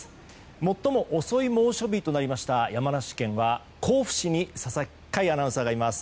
最も遅い猛暑日となりました山梨県は甲府市に佐々木快アナウンサーがいます。